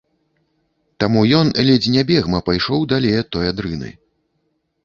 Таму ён ледзь не бегма пайшоў далей ад той адрыны.